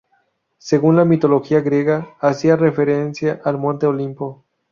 Según la mitología griega hacía referencia al Monte Olimpo.